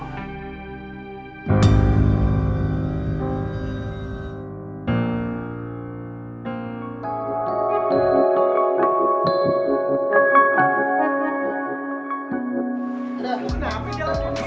kenapa ini jalan gini pakir